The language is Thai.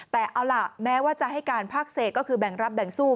แต่เอาล่ะแม้ว่าจะให้การภาคเศษก็คือแบ่งรับแบ่งสู้